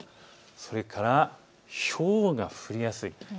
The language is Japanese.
それから、ひょうが降りやすい。